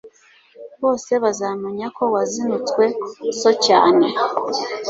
bose bazamenya ko wazinutswe so cyane